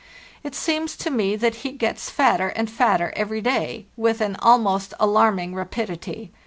It seems to me that he gets fatter and fatter every day, with an almost alarming rapidity.